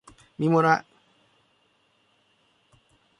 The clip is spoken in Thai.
มีหมดอะ